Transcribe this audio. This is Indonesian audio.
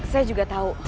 saya juga tahu